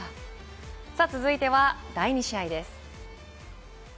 続いては第２試合です。